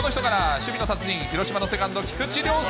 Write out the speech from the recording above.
守備の達人、広島のセカンド、菊池涼介。